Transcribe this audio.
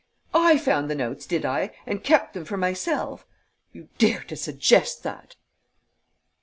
I found the notes, did I, and kept them for myself? You dare to suggest that!"